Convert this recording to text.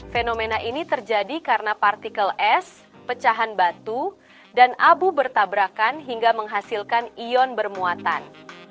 fenomena ini terjadi karena partikel es pecahan batu dan abu bertabrakan hingga menghasilkan ion bermuatan